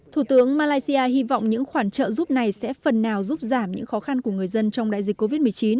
thủ tướng malaysia hy vọng những khoản trợ giúp này sẽ phần nào giúp giảm những khó khăn của người dân trong đại dịch covid một mươi chín